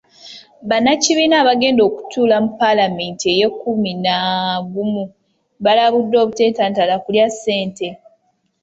Bannakibiina abagenda okutuula mu Paalamenti y’ekkumi na gumu, balabuddwa obuteetantala kulya ssente.